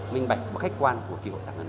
minh bạch và khách quan của kỳ hội giảng